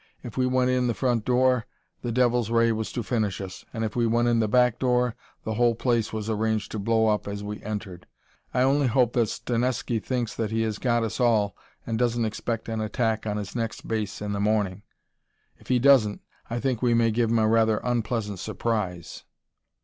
If we went in the front door, that devil's ray was to finish us, and if we went in the back door the whole place was arranged to blow up as we entered. I only hope that Stanesky thinks that he has got us all and doesn't expect an attack on his next base in the morning. If he doesn't, I think we may give him a rather unpleasant surprise.